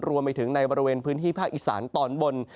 รวมไปถึงในบริเวณพื้นที่ภาคอีสานตอนบน